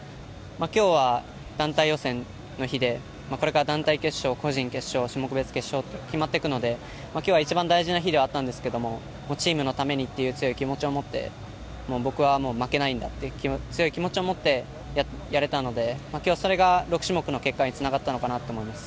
今日は団体予選の日でこれから団体決勝個人決勝、種目別決勝と決まっていくので今日は一番大事な日ではあったんですがチームのためにという強い気持ちを持って僕は負けないんだという強い気持ちをもってやれたのでそれが６種目の結果につながったのかなと思います。